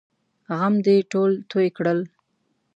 غم دې ټول توی کړل!